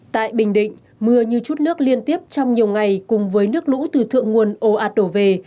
tại bình định mưa như chút nước liên tiếp trong nhiều ngày cùng với nước lũ từ thượng nguồn ồ ạt đổ về